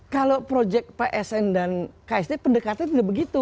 kalau proyek psn dan ksd pendekatan tidak begitu